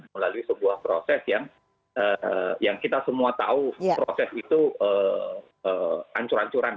melalui sebuah proses yang kita semua tahu proses itu ancur ancuran